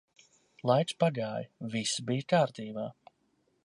Laiks pagāja, viss bija kārtībā.